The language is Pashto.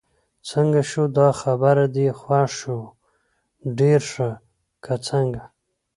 څنګه شو، دا خبر دې خوښ شو؟ ډېر ښه، که څنګه؟